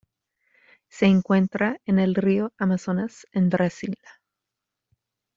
Se encuentra en el Río Amazonas en Brasil.